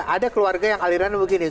ada keluarga yang alirannya begini